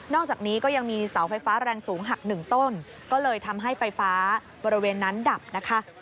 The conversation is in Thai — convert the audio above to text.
อกจากนี้ก็ยังมีเสาไฟฟ้าแรงสูงหักหนึ่งต้นก็เลยทำให้ไฟฟ้าบริเวณนั้นดับนะคะ